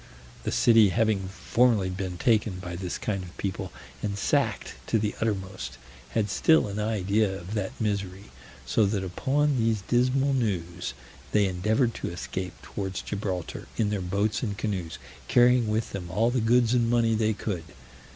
The city having formerly been taken by this kind of people, and sacked to the uttermost, had still an idea of that misery; so that upon these dismal news they endeavored to escape towards Gibraltar in their boats and canoes, carrying with them all the goods and money they could.